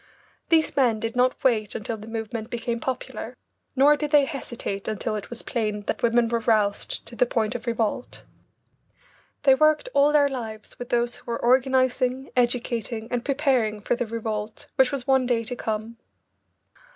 These men did not wait until the movement became popular, nor did they hesitate until it was plain that women were roused to the point of revolt. They worked all their lives with those who were organising, educating, and preparing for the revolt which was one day to come.